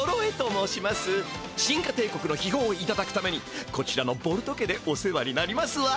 シンカ帝国の秘宝をいただくためにこちらのボルト家でお世話になりますわ。